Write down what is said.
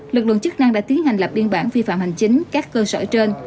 lực lượng chức năng đã tiến hành lập biên bản vi phạm hành chính các cơ sở trên